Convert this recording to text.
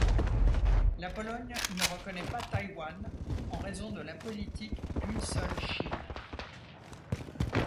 La Pologne ne reconnait pas Taïwan en raison de la politique d'une seule Chine.